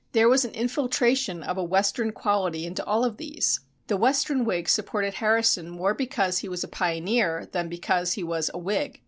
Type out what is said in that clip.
There was an infiltration of a western quality into all of these. The western Whig supported Harrison more because he was a pioneer than because he was a Whig.